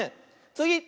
つぎ！